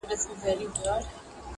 زه خو يو خوار او يو بې وسه انسان_